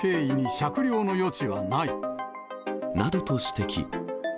などと指摘。